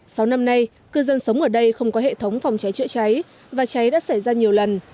sáu năm nay cư dân sống ở đây không có hệ thống phòng cháy chữa cháy và cháy đã xảy ra nhiều lần